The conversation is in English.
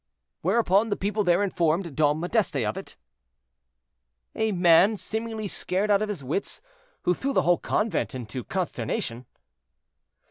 "Whereupon the people there informed Dom Modeste of it?" "A man, seemingly scared out of his wits, who threw the whole convent into consternation."